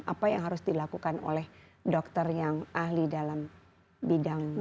apa yang harus dilakukan oleh dokter yang ahli dalam bidang